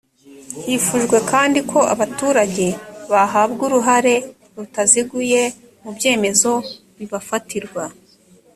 hifujwe kandi ko abaturage bahabwa uruhare rutaziguye mu byemezo bibafatirwa